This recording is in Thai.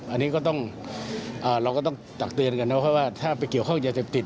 อันนี้ก็ต้องเราก็ต้องตักเตือนกันนะเพราะว่าถ้าไปเกี่ยวข้องยาเสพติด